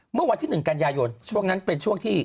เมื่อวันที่๑กันยายนช่วงนั้นเป็นช่วงที่